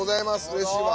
うれしいわ。